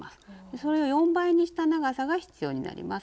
それを４倍にした長さが必要になります。